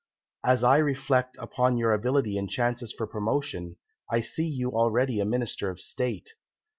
As I reflect upon your ability and chances for promotion, I see you already a Minister of State.